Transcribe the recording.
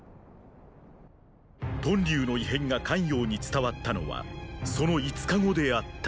屯留の異変が咸陽に伝わったのはその五日後であった。